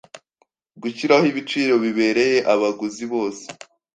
gushyiraho ibiciro bibereye abaguzi bose